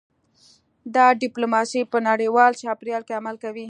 دا ډیپلوماسي په نړیوال چاپیریال کې عمل کوي